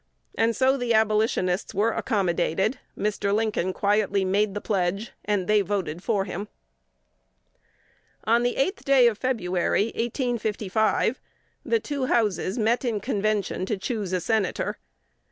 And so the Abolitionists were accommodated: Mr. Lincoln quietly made the pledge, and they voted for him. On the eighth day of February, 1855, the two Houses met in convention to choose a Senator.